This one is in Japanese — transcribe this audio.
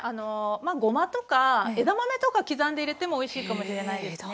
まあごまとか枝豆とか刻んで入れてもおいしいかもしれないですね。